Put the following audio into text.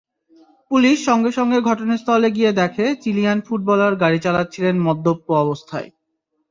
Police সঙ্গে সঙ্গে ঘটনাস্থলে গিয়ে দেখে চিলিয়ান ফুটবলার গাড়ি চালাচ্ছিলেন মদ্যপ অবস্থায়।